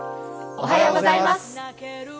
おはようございます。